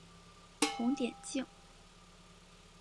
红点镜。